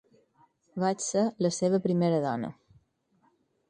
Vaig ser la seva primera dona.